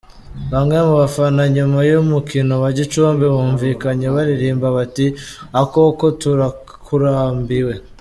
Bamwe mu bafana nyuma y’ umukino wa Gicumbi bumvikanye baririmba bati: “ Okoko turakurambiwe”.